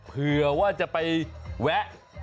เผื่อว่าจะไปแวะ